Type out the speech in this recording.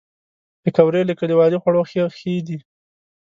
پکورې له کلیوالي خواړو ښې دي